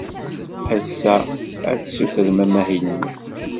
Ass-a, ad tessutremt amahil-nni.